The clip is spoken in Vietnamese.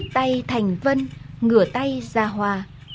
thành vân ngửa tay ra hoa